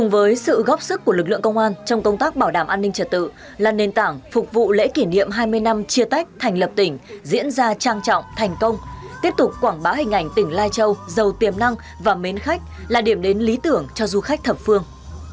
với sự góp sức của lực lượng công an trong công tác bảo đảm an ninh trật tự là nền tảng phục vụ lễ kỷ niệm hai mươi năm chia tách thành lập tỉnh diễn ra trang trọng thành công tiếp tục quảng bá hình ảnh tỉnh lai châu giàu tiềm năng và mến khách là điểm đến lý tưởng cho du khách thập phương